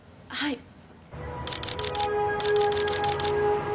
はい。